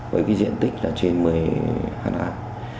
với cái diện tích là trên một mươi hạt án